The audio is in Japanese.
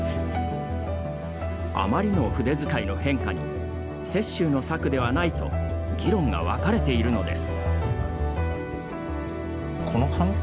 あまりの筆づかいの変化に雪舟の作ではないと議論が分かれているのです。